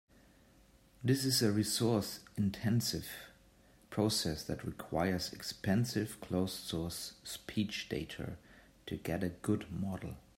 This is a resource-intensive process that requires expensive closed-source speech data to get a good model.